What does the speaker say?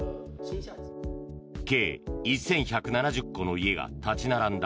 計１１７０戸の家が立ち並んだ